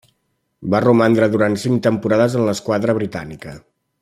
Va romandre durant cinc temporades en l'esquadra britànica.